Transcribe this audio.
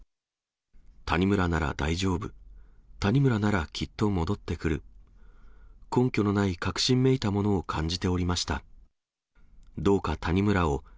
谷村なら大丈夫、谷村ならきっと戻ってくる、根拠のない確信めいたものを感じておりました。